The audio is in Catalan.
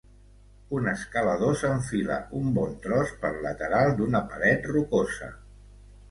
Un escalador s'enfila un bon tros pel lateral d'una paret rocosa.